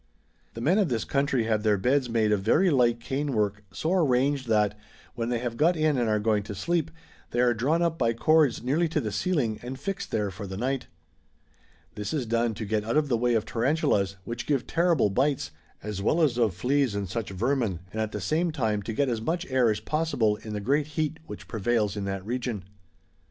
The men of this country have their beds made of very light canework, so arranged that, when they have got in and are going to sleej), they are drawn up by cords nearly to the ceiling and fixed there for the night. This is done to get out of the way of tarantulas which give terrible bites, as well as of fieas and such vermin, and at the same time to get as much air as possible in the great heat which prevails in that region.